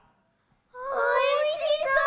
おいしそう。